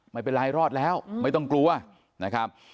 ไม่เป็นไรรอดแล้วไม่ต้องกลัวนะครับ